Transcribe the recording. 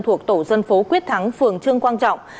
thuộc tổ dân phố quyết thắng phường trương quang trọng